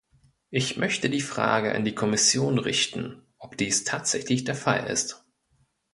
Ich möchte die Frage an die Kommission richten, ob dies tatsächlich der Fall ist.